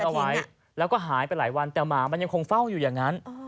ถิ้งอะไรจะหายไปหลายวันแต่หมามันยังคงเฝ้าอยู่อย่างงั้น